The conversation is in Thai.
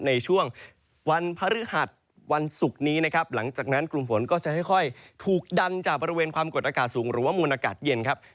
ในช่วงวันพฤหัสวันศุกร์นี้นะครับหลังจากนั้นกลุ่มฝนก็จะค่อยถูกดันจากบริเวณความกดอากาศสูงหรือว่ามูลอากาศเย็นครับ